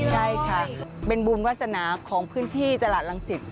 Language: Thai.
ใช่ค่ะเป็นบุญวาสนาของพื้นที่ตลาดรังสิต